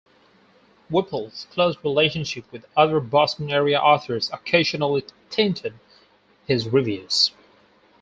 Whipple's close relationship with other Boston-area authors occasionally tinted his reviews.